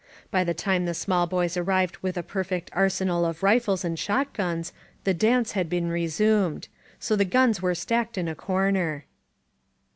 By the time the small boys arrived with a per fect arsenal of rifles and shotguns, the dance had been resumed. So the guns were stacked in a comer.